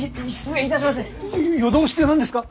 夜通しって何ですか？